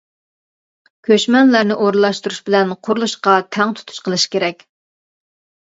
كۆچمەنلەرنى ئورۇنلاشتۇرۇش بىلەن قۇرۇلۇشقا تەڭ تۇتۇش قىلىش كېرەك.